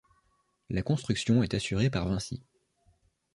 La construction est assurée par Vinci.